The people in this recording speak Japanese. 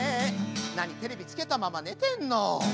何テレビつけたまま寝てんの！